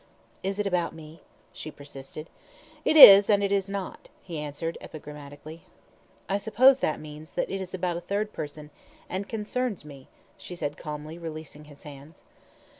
"Is it about me?" she persisted. "It is, and it is not," he answered, epigrammatically. "I suppose that means that it is about a third person, and concerns me," she said calmly, releasing his hands.